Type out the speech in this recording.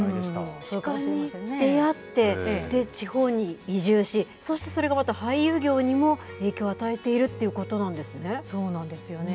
鹿に出会って、地方に移住し、そしてそれがまた俳優業にも影響を与えているっていうことなんでそうなんですよね。